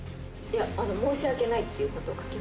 申し訳ないってことを書きます。